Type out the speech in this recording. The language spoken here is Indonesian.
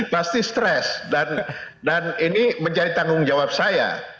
pasti stres dan ini menjadi tanggung jawab saya